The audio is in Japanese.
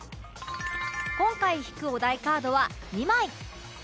今回引くお題カードは２枚